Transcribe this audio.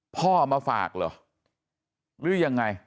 พ่อมาฝากเหรอหรือยังไง